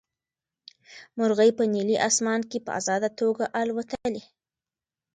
مرغۍ په نیلي اسمان کې په ازاده توګه الوتلې.